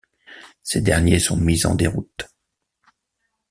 Ces derniers sont mis en déroute.